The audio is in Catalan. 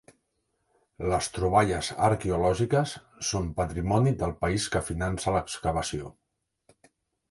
Les troballes arqueològiques són patrimoni del país que finança l'excavació.